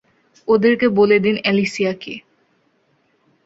ওদের বলে দিন অ্যালিসিয়া কে।